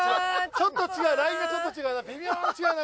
ちょっと違うラインがちょっと違うな。